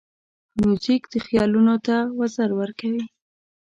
موزیک خیالونو ته وزر ورکوي.